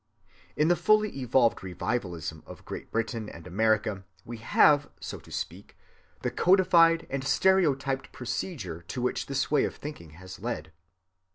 In the fully evolved Revivalism of Great Britain and America we have, so to speak, the codified and stereotyped procedure to which this way of thinking has led.